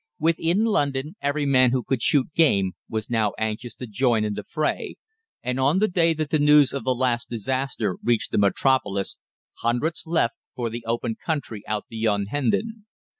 Within London every man who could shoot game was now anxious to join in the fray, and on the day that the news of the last disaster reached the Metropolis, hundreds left for the open country out beyond Hendon.